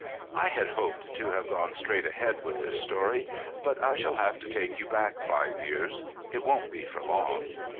I had hoped to have gone straight ahead with this story, but I shall have to take you back five years; it won't be for long.